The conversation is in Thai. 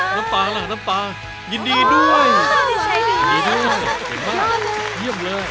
น้ำปลาล่ะน้ำปลายินดีด้วย